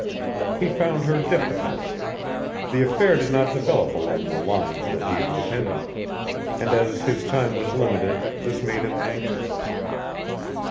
He found her difficult. The affair did not develop along the lines that he had intended, and as his time was limited, this made him anxious.